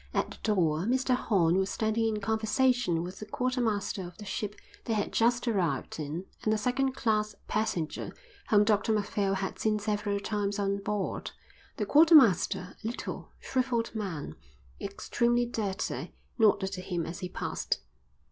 At the door Mr Horn was standing in conversation with the quartermaster of the ship they had just arrived in and a second class passenger whom Dr Macphail had seen several times on board. The quartermaster, a little, shrivelled man, extremely dirty, nodded to him as he passed.